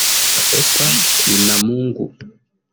Epa Binamungu